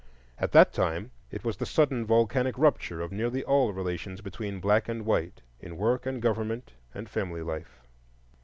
At that time it was the sudden volcanic rupture of nearly all relations between black and white, in work and government and family life.